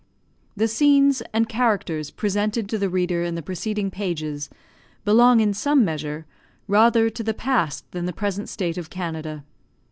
The scenes and characters presented to the reader in the preceding pages, belong, in some measure, rather to the past than the present state of Canada.